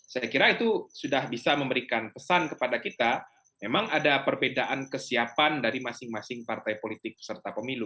saya kira itu sudah bisa memberikan pesan kepada kita memang ada perbedaan kesiapan dari masing masing partai politik peserta pemilu